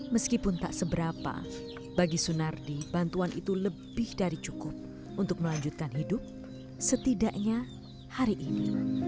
meskipun tak seberapa bagi sunardi bantuan itu lebih dari cukup untuk melanjutkan hidup setidaknya hari ini